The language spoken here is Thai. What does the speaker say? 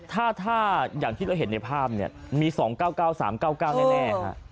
ถ้าอย่างที่เราเห็นในภาพเนี่ยมี๒๙๙๓๙๙แน่